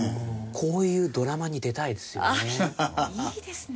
こういうドラマに出たいですよね。